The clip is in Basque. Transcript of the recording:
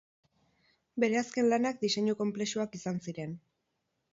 Bere azken lanak diseinu konplexuak izan ziren.